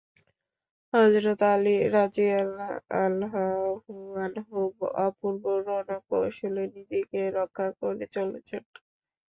হযরত আলী রাযিয়াল্লাহু আনহুও অপূর্ব রণকৌশলে নিজেকে রক্ষা করে চলেছেন।